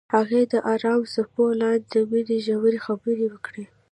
هغوی د آرام څپو لاندې د مینې ژورې خبرې وکړې.